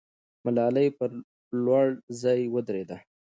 ملالۍ پر لوړ ځای ودرېده.